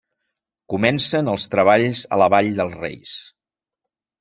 Comencen els treballs a la Vall dels Reis.